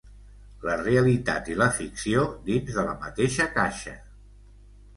La realitat i la ficció dins de la mateixa caixa.